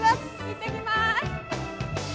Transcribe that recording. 行ってきます。